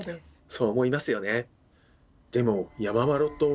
そう思いますよね。